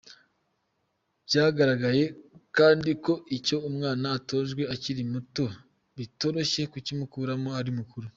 Byagaragaye kandi ko icyo umwana atojwe akiri muto bitoroshye kukimukuramo ari mukuru.